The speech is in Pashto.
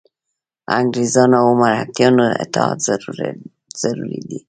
انګرېزانو او مرهټیانو اتحاد ضروري دی.